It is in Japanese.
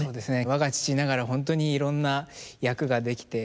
我が父ながら本当にいろんな役ができて。